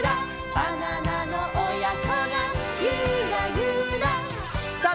「バナナのおやこがユラユラ」さあ